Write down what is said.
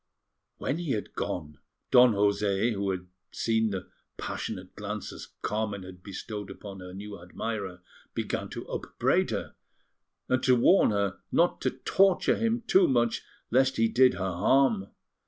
When he had gone, Don José, who had seen the passionate glances Carmen had bestowed upon her new admirer, began to upbraid her, and to warn her not to torture him too much, lest he did her harm.